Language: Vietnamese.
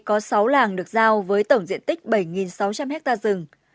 có sáu làng được giao với tổng diện tích bảy sáu trăm linh hectare rừng